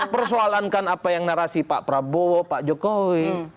persoalankan apa yang narasi pak prabowo pak jokowi